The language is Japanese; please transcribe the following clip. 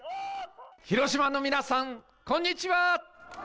広島の皆さん、こんにちは。